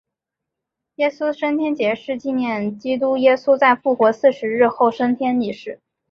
耶稣升天节是纪念基督耶稣在复活四十日后升天一事。